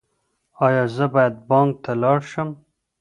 ایا زه باید بانک ته لاړ شم؟